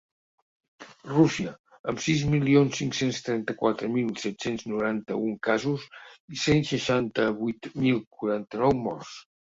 Rússia, amb sis milions cinc-cents trenta-quatre mil set-cents noranta-un casos i cent seixanta-vuit mil quaranta-nou morts.